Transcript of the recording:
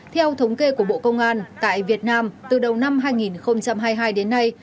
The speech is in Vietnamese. theo thống kê của bộ công an tại việt nam từ đầu năm hai nghìn hai mươi hai đến nay